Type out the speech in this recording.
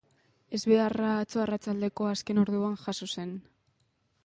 Ezbeharra atzo arratsaldeko azken orduan jazo zen.